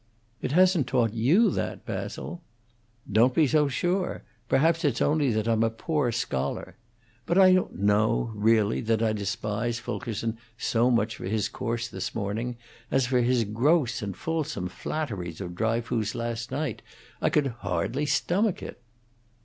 "It hasn't taught you that, Basil." "Don't be so sure. Perhaps it's only that I'm a poor scholar. But I don't know, really, that I despise Fulkerson so much for his course this morning as for his gross and fulsome flatteries of Dryfoos last night. I could hardly stomach it."